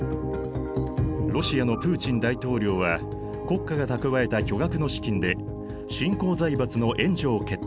ロシアのプーチン大統領は国家が蓄えた巨額の資金で新興財閥の援助を決定。